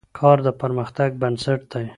کار د پرمختګ بنسټ دی.